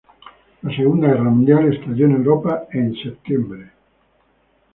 La Segunda Guerra Mundial estalló en Europa en septiembre.